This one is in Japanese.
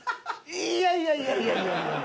いやいやいやいやいや！